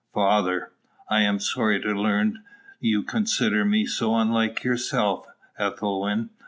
Father. I am sorry to learn you consider me so very unlike yourself, Ethelwyn.